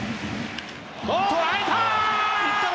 捉えたー！